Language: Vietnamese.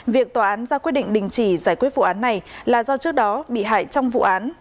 việc tòa án ra quyết định đình chỉ giải quyết vụ án này là do trước đó bị hại trong vụ án